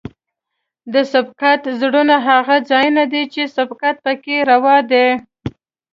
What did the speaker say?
د سبقت زونونه هغه ځایونه دي چې سبقت پکې روا دی